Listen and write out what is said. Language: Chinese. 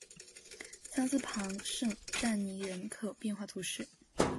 桑斯旁圣但尼人口变化图示